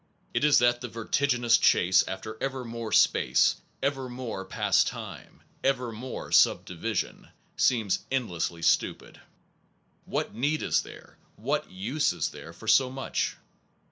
It is that the vertiginous chase after ever more space, ever more past time, ever more subdivision, seems endlessly stupid. What need is there, what use is there, for so much?